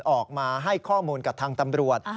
ออกมาให้ข้อมูลกับทางตำรวจ